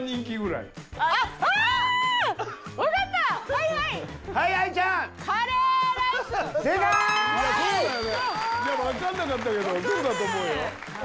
いや分かんなかったけどそうだと思うよ。